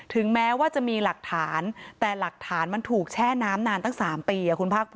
ถึงแม้ว่าจะมีหลักฐานแต่หลักฐานมันถูกแช่น้ำนานตั้ง๓ปี